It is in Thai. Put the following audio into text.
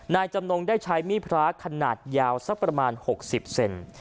จำนงได้ใช้มีดพระขนาดยาวสักประมาณ๖๐เซน